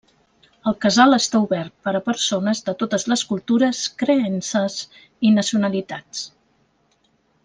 El casal està obert per a persones de totes les cultures, creences i nacionalitats.